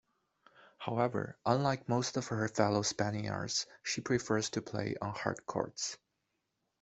However, unlike most of her fellow Spaniards, she prefers to play on hard courts.